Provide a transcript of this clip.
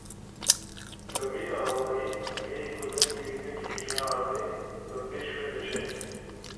Bi vî awayî bêyî ku lingê wî bigihîje erdê, bi pêş ve diçe.